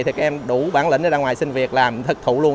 thì các em đủ bản lĩnh ra ngoài sinh việc làm thực thụ luôn